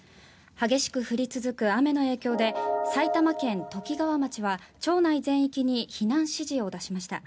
激しく降り続く雨の影響で埼玉県ときがわ町は町内全域に避難指示を出しました。